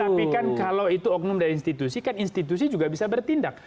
tapi kan kalau itu oknum dari institusi kan institusi juga bisa bertindak